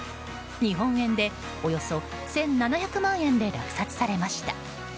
日本円でおよそ１７００万円で落札されました。